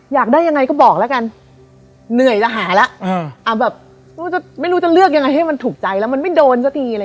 หัวเรารู้ว่าเราไม่ใช่คน